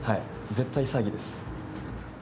絶対詐欺です。